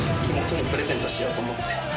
プレゼントしようと思って。